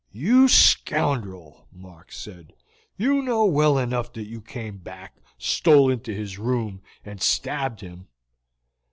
"You scoundrel!" Mark said. "You know well enough that you came back, stole into his room, and stabbed him."